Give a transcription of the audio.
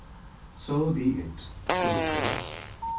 So be it! Kuru Prince!